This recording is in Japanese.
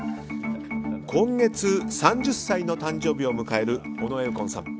今月３０歳の誕生日を迎える尾上右近さん。